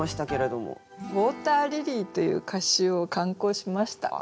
「ウォーターリリー」という歌集を刊行しました。